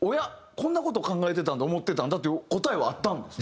こんな事考えてたんだ思ってたんだっていう答えはあったんですか？